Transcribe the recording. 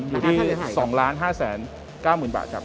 อยู่ที่๒๕๙๐๐บาทครับ